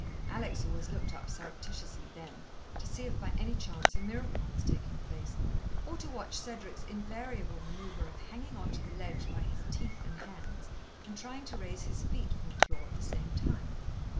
Alex always looked up surreptitiously, then, to see if by any chance a miracle was taking place, or to watch Cedric's invariable manoeuvre of hanging on to the ledge by his teeth and hands and trying to raise his feet from the floor at the same time.